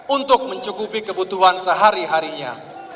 untuk mencukupi kebutuhan sehari harinya